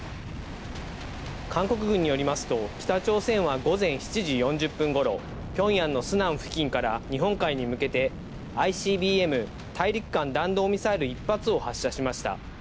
韓国軍によりますと、北朝鮮は午前７時４０分ごろ、ピョンヤンのスナン付近から日本海に向けて、ＩＣＢＭ・大陸間弾道ミサイル１発を発射しました。